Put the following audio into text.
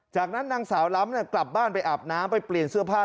จากนั้นนางสาวล้ำกลับบ้านไปอาบน้ำไปเปลี่ยนเสื้อผ้า